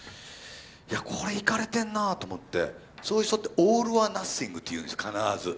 いやこれいかれてんなぁと思ってそういう人ってオールオアナッシングって言うんですよ必ず。